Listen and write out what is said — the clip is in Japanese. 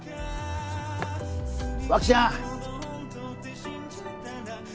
脇ちゃん。